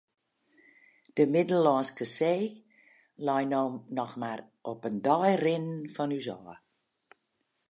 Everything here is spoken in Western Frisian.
De Middellânske See lei no noch mar op in dei rinnen fan ús ôf.